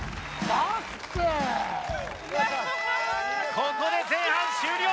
ここで前半終了！